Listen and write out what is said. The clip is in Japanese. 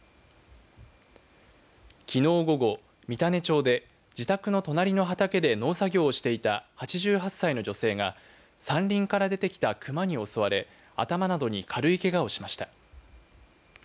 きのう午後、三種町で自宅の隣の畑で農作業をしていた８８歳の女性が３人から出てきたクマに襲われ頭などに軽いけがをしました。